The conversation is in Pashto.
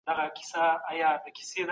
فشار د زغم حد ټیټوي.